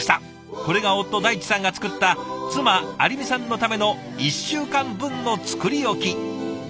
これが夫大地さんが作った妻有美さんのための１週間分の作り置き。